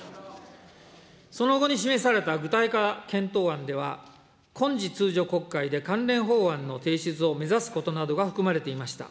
その後に示された具体化検討案では、今次通常国会で関連法案の提出を目指すことなどが含まれていました。